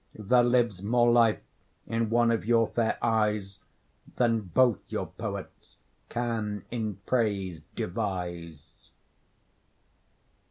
There lives more life in one of your fair eyes Than both your poets can in praise devise.